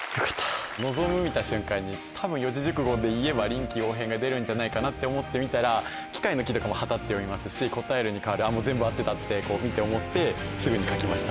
「のぞむ」見た瞬間に多分四字熟語でいえば「臨機応変」が出るんじゃないかなって思って見たら「機械」の「機」とかも「はた」って読みますし「こたえる」に「かわる」全部合ってたって見て思ってすぐに書きました。